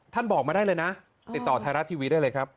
ท่านบอกมาได้เลยนะติดต่อไทราชทีวีด้วยเลยครับ